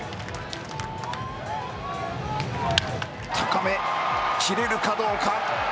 高め、きれるかどうか。